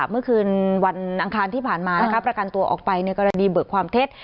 เมื่อคืนวันอังคารที่ผ่านมาประกันตัวออกไปในกรณีเบิกความเท็จ